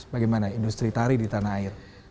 bagaimana industri tari di tanah air